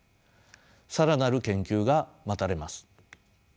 更なる研究が待たれます。